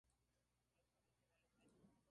El algoritmo por tanto debía ser bastante sencillo.